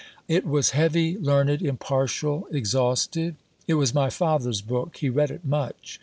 It was heavy, learned, impartial, exhaustive. It was my father's book: he read it much.